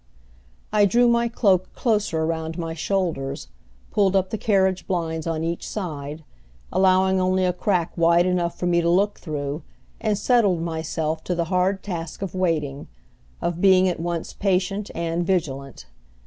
I drew my cloak closer around my shoulders, pulled up the carriage blinds on each side, allowing only a crack wide enough for me to look through, and settled myself to the hard task of waiting, of being at once patient and vigilant.